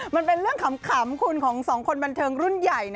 มันเป็นเรื่องขำคุณของสองคนบันเทิงรุ่นใหญ่